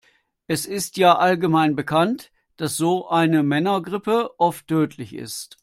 Es ist ja allgemein bekannt, dass so eine Männergrippe oft tödlich ist.